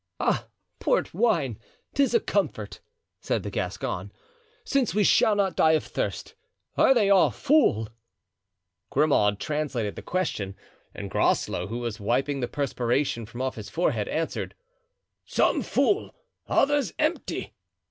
"Ah! port wine! 'tis a comfort," said the Gascon, "since we shall not die of thirst. Are they all full?" Grimaud translated the question, and Groslow, who was wiping the perspiration from off his forehead, answered: "Some full, others empty."